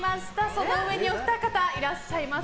その上にお二方いらっしゃいます。